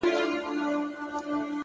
چي زړه ته’ ته راغلې په مخه رقيب هم راغی’